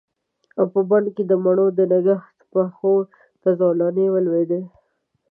او په بڼ کې د مڼو د نګهت پښو ته زولنې ولویدې